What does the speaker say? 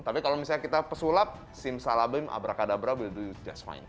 tapi kalau misalnya kita pesulap simsalabim abrakadabra we'll do just fine